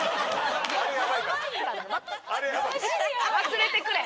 忘れてくれ。